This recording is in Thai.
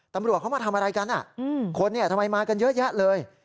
ตำรวจเขามาทำอะไรกันคนทำไมมากันเยอะแยะเลย